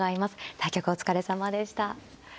対局お疲れさまでした。